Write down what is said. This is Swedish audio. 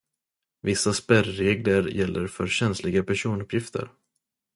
Vissa särregler gäller för känsliga personuppgifter.